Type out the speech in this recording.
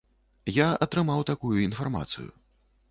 Я атрымаў такую інфармацыю.